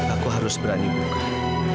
aku harus berani buka